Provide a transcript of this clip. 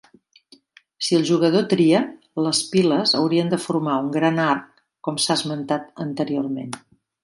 Si el jugador tria, les piles haurien de formar un gran arc, com s'ha esmentat anteriorment.